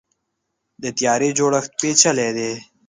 د طیارې جوړښت پیچلی دی.